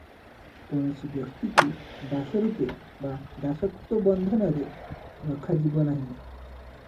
କୌଣସି ବ୍ୟକ୍ତିକୁ ଦାସ ରୂପେ ବା ଦାସତ୍ତ୍ୱ ବନ୍ଧନରେ ରଖାଯିବ ନାହିଁ ।